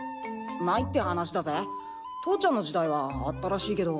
ないって話だぜ父ちゃんの時代はあったらしいけど。